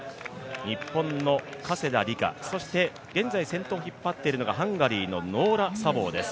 日本の加世田梨花、そして現在先頭を引っ張っているのがハンガリーのノーラ・サボーです。